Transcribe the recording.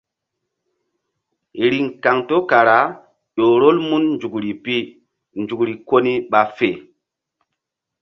Riŋ kaŋto kara ƴo rol mun nzukri pi nzukri ko ni ɓa fe.